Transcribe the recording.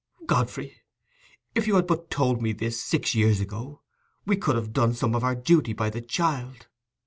"Godfrey, if you had but told me this six years ago, we could have done some of our duty by the child.